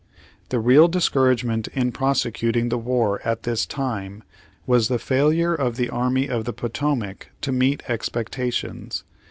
The real discouragement in prosecuting the war at this time, v/as the failure of the Army of the Potomac to meet expectations.